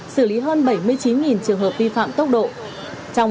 xử lý hơn bảy mươi chín trường hợp vi phạm tốc độ